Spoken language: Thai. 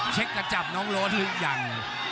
เช็คกระจับน้องโรธหรือยัง